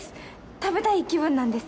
食べたい気分なんです。